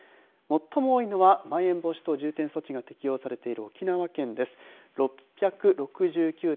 最も多いのは、まん延防止等重点措置が適用されている沖縄県です。６６９．０３人。